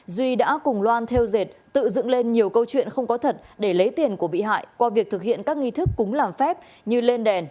duy đã cùng loan theo dệt tự dựng lên nhiều câu chuyện không có thật để lấy tiền của bị hại qua việc thực hiện các nghi thức cúng làm phép như lên đèn